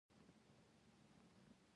نوموړي هڅه کوله یو ځل بیا ټربیون وټاکل شي